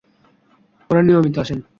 ওরা নিয়মিত আসেন।